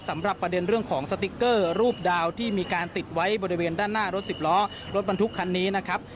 สำหรับประเด็นเรื่องของสติ๊กเกอร์รูปดาวที่มีการติดไว้บริเวณด้านหน้ารถสิบล้อรถบรรทุกคันนี้นะครับ